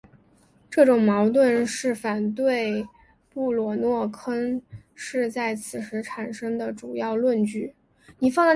这种矛盾是反对布鲁诺坑是在此时产生的主要论据。